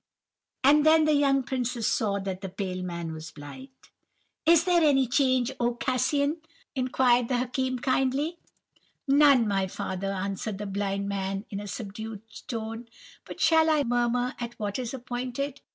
"And then the young princes saw that the pale man was blind. "'Is there any change, oh Cassian?' inquired the Hakim, kindly. "'None, my father,' answered the blind man, in a subdued tone. 'But shall I murmur at what is appointed?